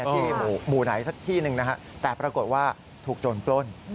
ที่หมูไหนที่สักที่หนึ่งแต่ปรากฏว่าถูกจนปล้น